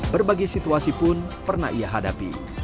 berbagai situasi pun pernah ia hadapi